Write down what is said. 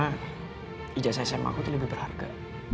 aku mau ngomong kerja pake ijazah sma aku itu lebih berharga